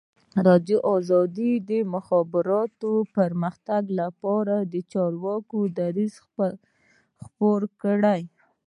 ازادي راډیو د د مخابراتو پرمختګ لپاره د چارواکو دریځ خپور کړی.